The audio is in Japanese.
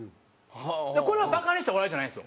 これはバカにした笑いじゃないんですよ。